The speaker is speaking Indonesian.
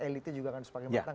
elitnya juga akan semakin matang